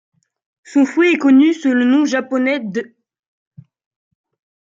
Son fruit est connu sous le nom japonais d'.